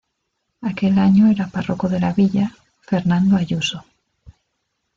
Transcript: Aquel año era párroco de la villa Fernando Ayuso.